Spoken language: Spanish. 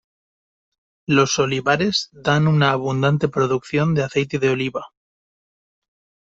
Los olivares dan una abundante producción de aceite de oliva.